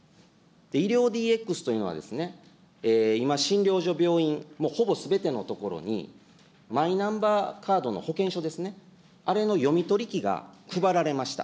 医療ＤＸというのはですね、今、診療所、病院、ほぼすべての所に、マイナンバーカードの保険証ですね、あれの読み取り機が配られました。